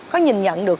có nhìn nhận được